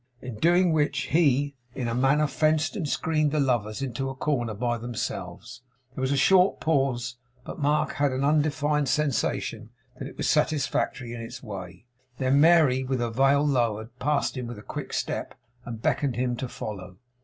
In doing which, he, in a manner fenced and screened the lovers into a corner by themselves. There was a short pause, but Mark had an undefined sensation that it was a satisfactory one in its way. Then Mary, with her veil lowered, passed him with a quick step, and beckoned him to follow.